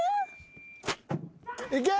いけ！